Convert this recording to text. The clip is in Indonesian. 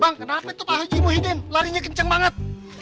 bang kenapa itu pak haji muhyiddin larinya kenceng banget